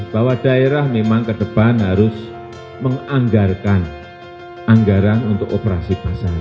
bahwa daerah memang ke depan harus menganggarkan anggaran untuk operasi pasar